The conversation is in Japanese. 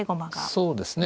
そうですね。